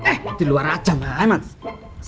eh di luar aja banget